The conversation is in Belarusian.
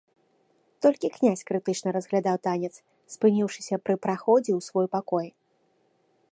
Толькі князь крытычна разглядаў танец, спыніўшыся пры праходзе ў свой пакой.